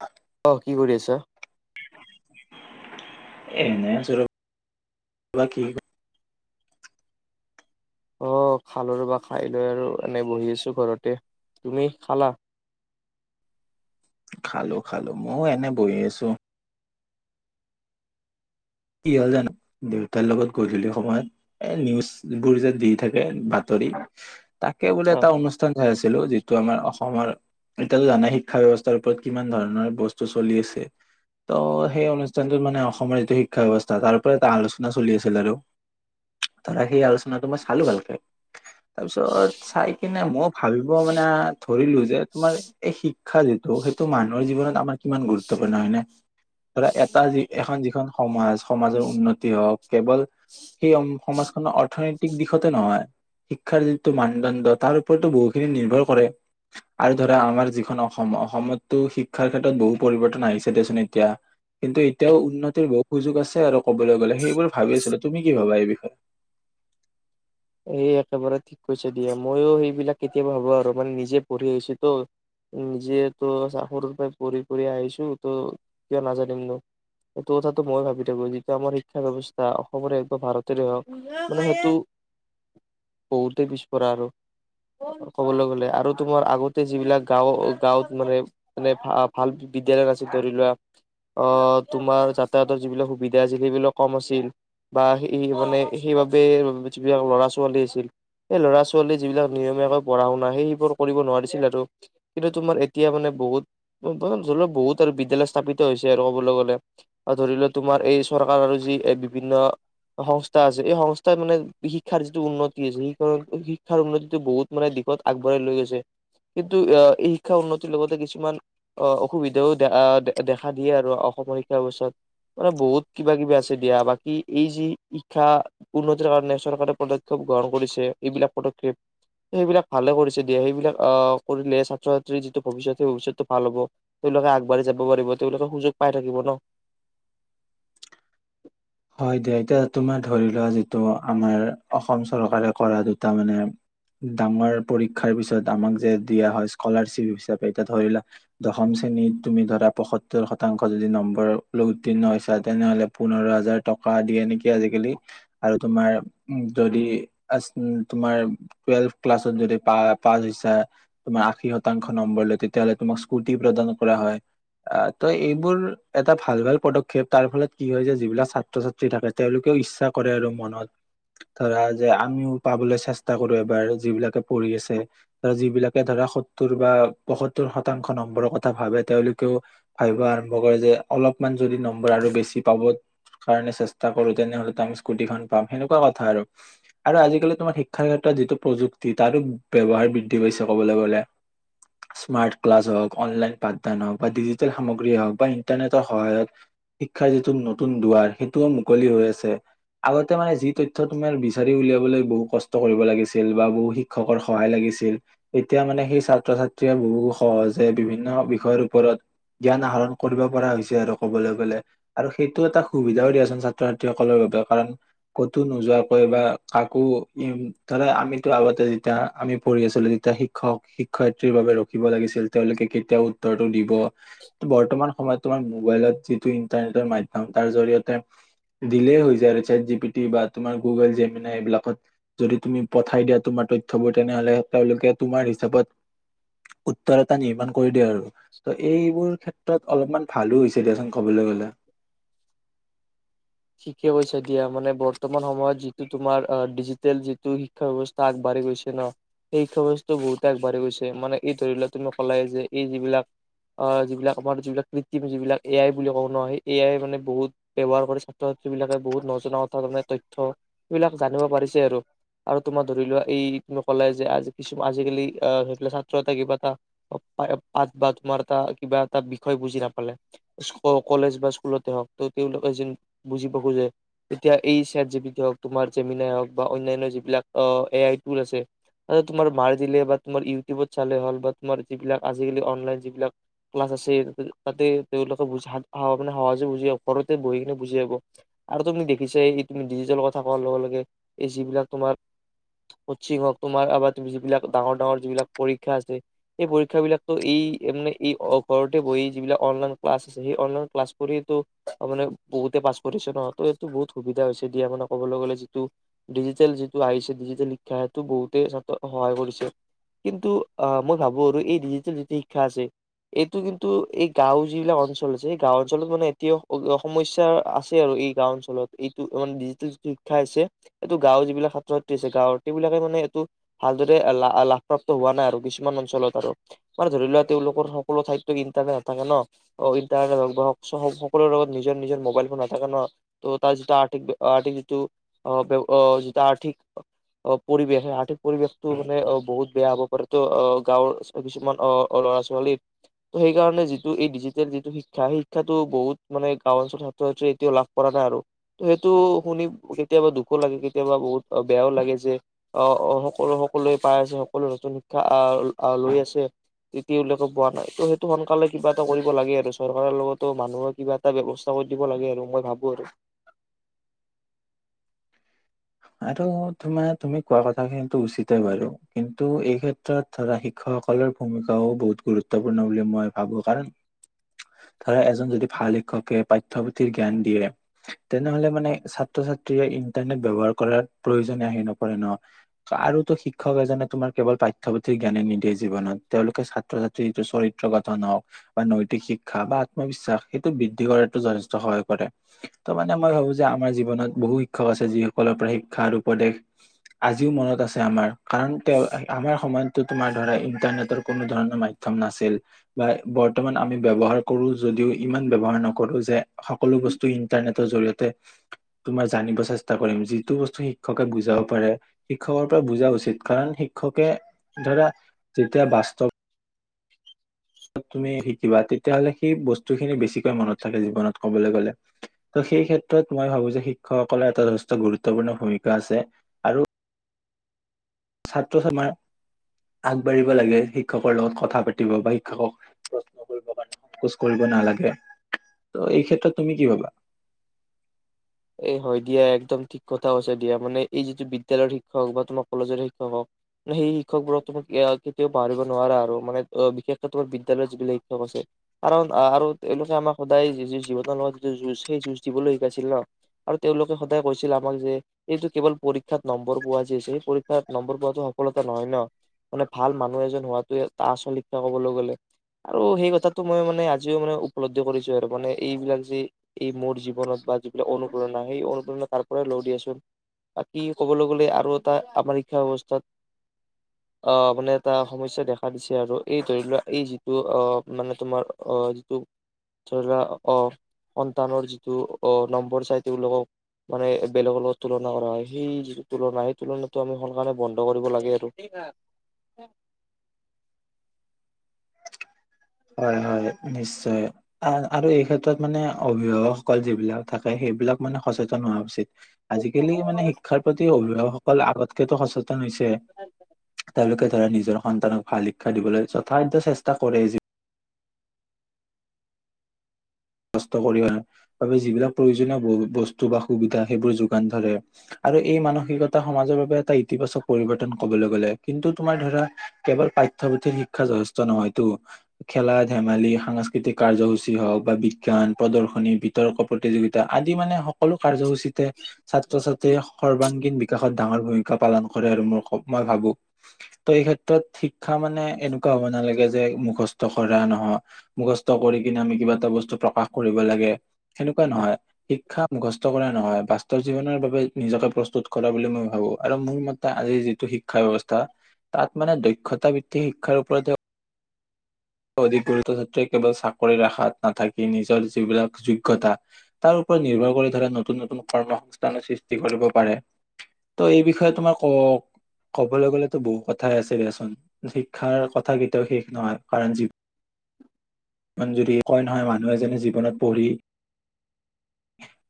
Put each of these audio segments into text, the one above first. হয়। অহ কি কৰি আছা? এনে আছো কি অহ খালো ৰবা খাই লৈ আৰু এনেই বহি আছো ঘৰতে। তুমি খালা? খালো খালো ময়ো এনে বহি আছো। কি হল জানো দেউতাৰ লগত গধূলি সময়ত এ নিউজবোৰ যে দি থাকে বাতৰি তাকে বোলে অ এটা অনুষ্ঠান চাই আছে যিটো আমাৰ অসমৰ এতিয়া তো জানায়ে শিক্ষা ব্যৱস্থাৰ ওপৰত কিমান ধৰণৰ বস্তু চলি আছে ত' সেই অনুষ্ঠানতোত মানে অসমৰ যিটো শ শিক্ষা ব্যৱস্থা তাৰ ওপৰত এটা আলোচনা চলি আছিল আৰু ধৰা সেই আলোচনাটো মই চালো ভালকে তাৰপিছত চাই কিনে মই ভাবিব মানে ধৰিলো যে তোমাৰ এই শিক্ষা যিটো সেইটো মানুহৰ জীৱনত আমাৰ কিমান গুৰুত্বপূৰ্ণ হয় নে ধৰা এটা যি এখন যিখন সমাজ সমাজৰ উন্নতি হওক কেৱল সেই সমাজখনৰ অৰ্থনৈতিক দিশতে নহয় শিক্ষাৰ যিটো মানদণ্ড তাৰ ওপৰতো বহুখিনি নিৰ্ভৰ কৰে আৰু ধৰা আমাৰ যিখন অসম অসমতো শিক্ষাৰ ক্ষেত্ৰত বহু পৰিৱৰ্তন আহিছে দেচোন এতিয়া কিন্তু এতিয়াও উন্নতিৰ বহুত সুযোগ আছে আৰু ক'বলৈ গ'লে সেই বোৰ ভাবি আছিলো তুমি কি ভাবা এইবি [inaudible] সে একেবাৰে ঠিক কৈছা দিয়া ময়ো সেইবিলাক কেতিয়াবা ভবো আৰু মানে নিজে পঢ়ি আহিছোঁ তো যিহেতু সৰুৰ পৰাই পঢ়ি পঢ়ি আহিছোঁ ত কিয় নাজানিমনো এইটো কথাটো মই ভাবি থাকো যিটো আমাৰ শিক্ষা ব্যৱস্থা অসমৰে হওঁক বা ভাৰতৰে হওঁক মানে সেইটো বহুতে পিছপৰা আৰু ক'বলে গ'লে আৰু তোমাৰ আগতে যিবিলাক গাঁও গাঁৱত মানে মানে ভ ভাল বিদ্যালয় নাছিল ধৰি লোৱা আহ তোমাৰ যাতায়াতৰ যিবিলাক সুবিধা আছিল সেইবিলাক কম আছিল বা সেই মানে সেইবাবে যিবিলাক ল'ৰা ছোৱালী আছিল সেই ল'ৰা ছোৱালী যিবিলাক নিয়মীয়াকৈ পঢ়া শুনা সেই সেইবোৰ কৰিব নোৱাৰিছিল আৰু কিন্তু তোমাৰ এতিয়া মানে বহুত ধৰি লও বহুত আৰু বিদ্যালয় স্থাপিত হৈছে আৰু ক'বলে গ'লে আৰু ধৰি লও তোমাৰ এই চৰকাৰ আৰু যি বিভিন্ন সংস্থা আছে এই সংস্থাই মানে শিক্ষাৰ যিটো উন্নতি আছে শিক্ষাৰ উন্নতিটো বহুত মানে দিশত আগবঢ়াই লৈ গৈছে কিন্তু এ এই শিক্ষাৰ উন্নতিৰ লগতে কিছুমান অ অসুবিধাও দে দেখা দিয়ে আৰু অসমৰ শিক্ষা ব্যৱস্থাত মানে বহুত কিবা কিবি আছে দিয়া বাকী এই যি শিক্ষা উন্নতিৰ কাৰণে চৰকাৰে পদক্ষেপ গ্ৰহণ কৰিছে এইবিলাক পদক্ষেপ সেইবিলাক ভালে কৰিছে দিয়া সেইবিলাক আহ কৰিলে ছাত্ৰ ছাত্ৰীৰ যিটো ভৱিষ্যত সেই ভৱিষ্যতটো ভাল হ'ব তেওঁলোকে আগবাঢ়ি যাব পাৰিব তেওঁলোকে সুযোগ পাই থাকিব ন হয় দিয়া এতিয়া তোমাৰ ধৰি লোৱা যিটো আমাৰ অসম চৰকাৰে কৰা দুটা মানে ডাঙৰ পৰীক্ষাৰ পিছত আমাক যে দিয়া হয় স্কলাৰশ্বিপ হিচাপে এতিয়া ধৰি লোৱা দশম শ্ৰেণীত তুমি ধৰা পয়সত্তৰ শতাংশ যদি নম্বৰ লৈ উত্তীৰ্ণ হৈছা তেনেহ'লে পোন্ধৰ হাজাৰ টকা দিয়ে নেকি আজিকালি আৰু তোমাৰ যদি তোমাৰ টুৱেলভ ক্লাছত যদি পা পাছ হৈছা তোমাৰ আশী শতাংশ নম্বৰ লৈ তেতিয়াহলে তোমাক স্কুটি প্ৰদান কৰা হয় আহ ত এইবোৰ এটা ভাল ভাল পদক্ষেপ তাৰ ফলত কি হয় যে যিবিলাক ছাত ছাত্ৰ ছাত্ৰী থাকে তেওঁলোকেও ইচ্ছা কৰে আৰু মনত ধৰা যে আমিও পাবলৈ চেষ্টা কৰো এবাৰ যিবিলাকে পঢ়ি আছে ধৰা যিবিলাকে ধৰা সত্তৰ বা পয়সত্তৰ শতাংশ নম্বৰৰ কথা ভাবে তেওঁলোকেও ভাবিব আৰম্ভ কৰে যে অলপমান যদি নম্বৰ আৰু বেছি পাব কাৰণে চেষ্টা কৰোঁ তেনেহলে তো আমি স্কুটিখন পাম সেনেকুৱা কথা আৰু, আৰু আজিকালি তোমাৰ শিক্ষাৰ ক্ষেত্ৰত যিটো প্ৰযুক্তি তাৰো ব্যৱহাৰ বৃদ্ধি পাইছে ক'বলে গ'লে, স্মাৰ্ট ক্লাছ হওঁক অনলাইন পাঠদান হওঁক বা ডিজিটেল সামগ্ৰী হওঁক বা ইন্টাৰনেটৰ সহায়ত শিক্ষাৰ যিটো নতুন দুৱাৰ সেইটোও মুকলি হৈ আছে আগতে মানে যি তথ্য তোমাৰ বিচাৰি উলিয়াবলৈ বহু কষ্ট কৰিব লাগিছিল বা বহু শিক্ষকৰ সহায় লাগিছিল এতিয়া মানে সেই ছাত্ৰ ছাত্ৰীয়ে বহু সহজে বিভিন্ন বিষয়ৰ ওপৰত জ্ঞান আহৰণ কৰিব পৰা হৈছে আৰু ক'বলে গ'লে আৰু সেইটো এটা সুবিধাও দিয়াচোন ছাত্ৰ ছাত্ৰীসকলৰ বাবে কাৰণ ক'তো নোযোৱাকৈ বা কাকো ধৰা আমিতো আগতে যেতিয়া আমি পঢ়ি আছিলো তেতিয়া শিক্ষক শিক্ষয়িত্ৰীৰ বাবে ৰখিব লাগিছিল তেওঁলোকে কেতিয়া উত্তৰটো দিব বৰ্তমান সময়ত তোমাৰ মোবাইলত যিটো ইন্টাৰনেটৰ মাধ্যম তাৰ জৰিয়তে দিলেই হৈ যায় আৰু চেট জি পি টি বা তোমাৰ গুগল জেমিনাই এইবিলাকত যদি তুমি পঠাই দিয়া তোমাৰ তথ্যবোৰ তেনেহলে তেওঁলোকে তোমাৰ হিচাপত উত্তৰ এটা নিৰ্মাণ কৰি দিয়ে আৰু ত এইবোৰ ক্ষেত্ৰ ত অলপমান ভালো হৈছে দিয়াচোন ক'বলে গ'লে ঠিকে কৈছা দিয়া মানে বৰ্তমান সময়ত যিটো তোমাৰ আহ ডিজিটেল যিটো শিক্ষা ব্যবস্থা আগবাঢ়ি গৈছে ন সেই শিক্ষা ব্যৱস্থাও বহুতে আগবাঢ়ি গৈছে মানে এই ধৰি লোৱা তুমি কলাই যে এই যিবিলাক আহ যিবিলাক আমাৰ যিবিলাক কৃত্ৰিম যিবিলাক এ আই বুলি কওঁ ন সেই এ আই মানে বহুত ব্যৱহাৰ কৰি ক্ষেত্ৰত এইবিলাকে বহুত কাৰণে তথ্য সিবিলাক জানিব পাৰিছে আৰু, আৰু তোমাৰ ধৰি লোৱা এই তুমি কলাই যে আজি কিছুমান আজিকালি আহ সেই ছাত্ৰ এটাই কিবা এটা পাঠ বা তোমাৰ এটা কিবা এটা বিষয় বুজি নাপালে কলেজ বা স্কুলতে হওঁক ত তেওঁলোকে য বুজি পাব যে এতিয়া এই ছেত জি পি টি হওঁক তোমাৰ জেমিনাই হওঁক বা অন্যান্য যিবিলাক আহ এ আই টুল আছে তোমাৰ মাৰ দিলে বা তোমাৰ ইউটিউবত চালে হ'ল বা তোমাৰ যিবিলাক আজিকালি অনলাইন যিবিলাক ক্লাছ আছে তাতে তেওঁলোকে বুজি মানে সহজে বুজি ঘৰতে বহি কিনে বুজি পাব আৰু তুমি দেখিছাই এই তুমি ডিজিটেল কথা কোৱাৰ লগে লগে এই যিবিলাক তোমাৰ কচিং হওঁক তোমাৰ আ যিবিলাক ডাঙৰ ডাঙৰ যিবিলাক পৰীক্ষা আছে সেই পৰীক্ষা বিলাক টো এই মানে এই ঘৰতে বহি যিবিলাক অনলাইন ক্লাছ আছে সেই অনলাইন ক্লাছ কৰিয়ে টো মানে বহুতে পাছ কৰিছে ন ত এইটো বহুত সুবিধা হৈছে দিয়া মানে কবলে গ'লে যিটো ডিজিটেল যিটো আহিছে ডিজিটেল শিক্ষা সেইটো বহুতে ছাত্ৰ সহায় কৰিছে কিন্তু আহ মই ভাবো আৰু এই ডিজিটেল যিটো শিক্ষা আছে এইটো কিন্তু এই গাঁওৰ যিবিলাক অঞ্চল আছে এই গাঁও অঞ্চলত মানে এতিয়াও সমস্যা আছে আৰু এই গাওঁ অঞ্চলত এইটো মানে ডিজিটেল যিটো শিক্ষা আছে এইটো গাঁওৰ যিবিলাক ছাত্ৰ ছাত্ৰী আছে গাঁওৰ সেইবিলাকে মানে এইটো ভালদৰে লা লাভপ্ৰাপ্ত হোৱা নাই আৰু কিছুমান অঞ্চলত আৰু মানে ধৰি লোৱা তেওঁলোকৰ সকলো ঠাইত টো ইণ্টাৰনেট নাথাকে ন ইণ্টাৰনেট হওঁক বা সকলোৰে লগত নিজৰ মোবাইল ফোন নাথাকে ন ত' তাৰ যিটো আৰ্থিক আৰ্থিক যিটো অ ব্য যিটো আৰ্থিক পৰিৱেশ সেই আৰ্থিক পৰিৱেশটো মানে অ বহুত বেয়া হ'ব পাৰে ত' গাঁৱৰ কিছুমান অ অ ল'ৰা ছোৱালী সেইকাৰণে যিটো এই ডিজিটেল যিটো শিক্ষা সেই শিক্ষাটো বহুত মানে গাঁও অঞ্চলত ছাত্ৰ ছাত্ৰীয়ে এতিয়াও লাভ কৰা নাই আৰু ত' সেইটো শুনি কেতিয়াবা দুখো লাগে কেতিয়াবা বহুত বেয়াও লাগে যে স সকলো সকলোৱে পাই আছে সকলোৱে নতুন শিক্ষা আ লৈ আছে তেওঁলোকে পোৱা নাই ত' সেইটো সোনকালে কিবা এটা কৰিব লাগে আৰু চৰকাৰৰ লগতো মানুহৰ কিবা এটা এটা ব্যৱস্থা কৰি দিব লাগে আৰু মই ভাবো আৰু আৰু তোমাৰ তুমি কোৱা কথাখিনি টো উচিতে বাৰু কিন্তু এই ক্ষেত্ৰত ধৰা শিক্ষকসকলৰ ভূমিকাও বহুত গুৰুত্বপূৰ্ণ বুলি মই ভাবো কাৰণ ধৰা এজন যদি ভাল শিক্ষকে পাঠ্যপুথিৰ জ্ঞান দিয়ে তেনেহলে মানে ছাত্ৰ ছাত্ৰীয়ে ইণ্টাৰনেট ব্যৱহাৰ কৰাৰ প্ৰয়োজন আহি নপৰে ন আৰু তো শিক্ষক এজনে তোমাৰ কেৱল পাঠ্যপুথিৰ জ্ঞানে নিদিয়ে জীৱনত তেওঁলোকে ছাত্ৰ ছাত্ৰী যিটো চৰিত্ৰ গঠন হওঁক বা নৈতিক শিক্ষা বা আত্মবিশ্বাস সেইটো বৃদ্ধি কৰাতো যথেষ্ট সহায় কৰে ত মানে মই ভাবো যে আমাৰ জীৱনত বহু শিক্ষক আছে যি সকলৰ পৰা শিক্ষা আৰু উপদেশ আজিও মনত আছে আমাৰ কাৰণ তেওঁ আমাৰ সময়ততো তোমাৰ ধৰা ইণ্টাৰনেটৰ কোনো ধৰণৰ মাধ্যম নাছিল বা বৰ্তমান আমি ব্যৱহাৰ কৰোঁ যদিও ইমান ব্যৱহাৰ নকৰোঁ যে সকলো বস্তু ইন্টাৰনেটৰ জৰিয়তে তোমাৰ জানিব চেষ্টা কৰিম যিটো বস্তু শিক্ষকে বুজাব পাৰে শিক্ষকৰ পৰা বুজা উচিত কাৰণ শিক্ষকে ধৰা যেতিয়া বাস্তৱ তুমি শিকিবা তেতিয়াহলে সেই বস্তুখিনি বেছিকৈ মনত থাকে জীৱনত কবলে গ'লে ত' সেই ক্ষেত্ৰত মই ভাবো যে শিক্ষকসকলৰ এটা যথেষ্ট গুৰুত্বপূৰ্ণ ভূমিকা আছে আৰু ছাত্ৰ ছা আমাৰ আগবাঢ়িব লাগে শিক্ষকৰ লগত কথা পাতিব বা শিক্ষকক প্ৰশ্ন কৰিব কাৰণে সংকোচ কৰিব নালাগে ত' এই ক্ষেত্ৰত তুমি কি ভাবা এ হয় দিয়া একদম ঠিক কথা কৈছা দিয়া মানে এই যিটো বিদ্যালয়ৰ শিক্ষক বা তোমাৰ কলেজৰ শিক্ষক হওঁক সেই শিক্ষকবোৰক তোমাক কেতিয়াও পাহৰিব নোৱাৰা আৰু মানে অ বিশেষকে তোমাৰ বিদ্যালয়ৰ যিবিলাক শিক্ষক আছে কাৰণ আৰু তেওঁলোকে আমাক সদায় য জীৱনৰ লগত যিটো যুঁজ সেই যুঁজ দিবলৈ শিকাইছিল ন আৰু তেওঁলোকে সদায় কৈছিল আমাক যে এইটো কেৱল পৰীক্ষাত নম্বৰ পোৱা যি আছে সেই পৰীক্ষাত নম্বৰ পোৱাতো সফলতা নহয় ন মানে ভাল মানুহ এজন হোৱাটোৱে আচল শিক্ষা ক'বলে গ'লে আৰু সেই কথাটো মই মানে আজিও মানে উপলব্ধি কৰিছোঁ আৰু মানে এইবিলাক যে এই মোৰ জীৱনত বা অনুপ্ৰেৰণা সেই অনুপ্ৰেৰণা তাৰ পৰাই লওঁ দিয়াচোন বাকি ক'বলে গ'লে আৰু এটা আমাৰ শিক্ষা ব্যৱস্থাত আহ মানে এটা সমস্যা দেখা দিছে আৰু এই ধৰি লোৱা এই যিটো অ মানে তোমাৰ আহ যিটো ধৰি লোৱা অ সন্তানৰ যিটো অ নম্ব নম্বৰ চাই তেওঁলোকক মানে বেলেগৰ লগত তুলনা কৰা হয় সেই যিটো তুলনা সেই তুলনাটো আমি সোনকালে বন্ধ কৰিব লাগে আৰু হয় হয় নিশ্চয় আ আৰু এই ক্ষেত্ৰত মানে অভিভাৱকসকল যিবিলাক থাকে সেইবিলাক মানে সচেতন হোৱা উচিত আজিকালি মানে শিক্ষাৰ প্ৰতি অভিভাৱকসকল আগতকে টো সচেতন হৈছে তেওঁলোকে ধৰা নিজৰ সন্তানক ভাল শিক্ষা দিবলৈ যথা হিন ত চেষ্টা কৰে কষ্ট কৰিবা বাবে যিবিলাক প্ৰয়োজনীয় ব বস্তু বা সুবিধা সেইবোৰ যোগান ধৰে আৰু এই মানসিকতা সমাজৰ বাবে এটা ইতিবাচক পৰিৱৰ্তন ক'বলে গ'লে কিন্তু তোমাৰ ধৰা কেৱল পাঠ্যপুথিৰ শিক্ষা যথেষ্ট নহয়তো খেলা ধেমালি সাংস্কৃতিক কাৰ্যসূচী হওঁক বা বি বিজ্ঞান প্ৰদৰ্শনী, বিতৰ্ক প্ৰতিযোগিতা আদি মানে সকলো কাৰ্যসূচী তে ছাত্ৰ ছাত্ৰীৰ সৰ্বাংগীন বি বিকাশত ডাঙৰ ভূমিকা পালন কৰে আৰু ম মই ভাবো, ত এই ক্ষেত্ৰত শিক্ষা মানে এনেকুৱা হ'ব নালাগে যে মুখস্থ কৰা নহয় মুখস্থ কৰি কিনে আমি কিবা এটা বস্তু। প্ৰকাশ কৰিব লাগে সেনেকুৱা নহয় শিক্ষা। মুখস্থ কৰা নহয় বাস্তৱ জীৱনৰ বাবে নিজকে প্ৰস্তুত কৰা বুলি মই ভাবো, আৰু মোৰ মতে আজিৰ যিটো শিক্ষা ব্য্ৱস্থা তাত মানে দক্ষতা বৃত্তি শিক্ষাৰ ওপৰতে। অধিক গুৰুত্ব ছাত্ৰীয়ে কেৱল চাকৰি ৰখাত নাথাকি নিজৰ যিবিলাক যোগ্যতা! তাৰ ওপৰত নিৰ্ভৰ কৰি ধৰা নতুন নতুন কৰ্মসস্থানো সৃষ্টি কৰিব পাৰে ত' এই বিষয়ে তোমাৰ ক কবলৈ গলেতো বহু কথাই আছে দাচোন, শিক্ষাৰ কথা কেতিয়াও শেষ নহয়। কৰঞ্জীৱ। যদি কয় নহয় মানুহ এজনে জীৱনত পঢ়ি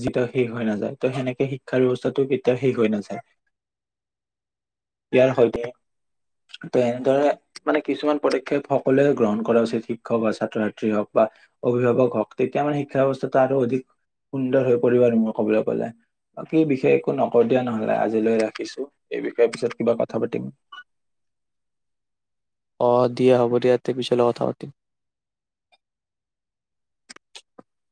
যিতিয়া শেষ হৈ নাযায় ত সেনেকে শিক্ষা ব্যৱস্থাটো কেতিয়াও শেষ হৈ নাযায়, ইয়াৰ সৈতে এনেদৰে মানে কিছুমান পদক্ষেপ হওক। সকলোৱে গ্ৰহণ কৰা উচিত শিক্ষক বা ছাত্ৰ ছাত্ৰী হওক বা অভিভাৱক হওক তেতিয়া মানে, শিক্ষা ব্যৱস্থাটো আৰু অধিক সুন্দৰ হৈ পৰিব আৰু মই কবলৈ পলে বাকী বিশেয়ষ একো নকও দিয়া নহলে, আজিলৈ ৰাখিছো এই বিষয়ে পিছত কিবা কথা পাতিম। অ, হব দিয়া হব দিয়া, পিছলে কথা পাতিম।